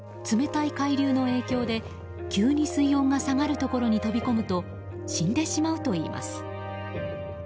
冷たい海流の影響で急に水温が下がるところに飛び込むと死んでしまうといいます。